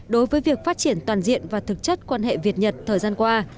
đối với việc phát triển toàn diện và thực chất quan hệ việt nhật thời gian qua